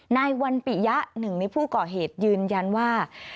นายวันปิยะหนึ่งในผู้ก่อเหตุยืนยันว่า